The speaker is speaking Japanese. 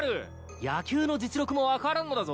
野球の実力も分からんのだぞ。